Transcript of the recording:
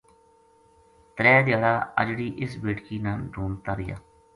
ترے دھیاڑا اَجڑی اس بیٹکی نا ڈُھونڈتا رہیا